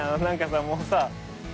なんかさもうさ。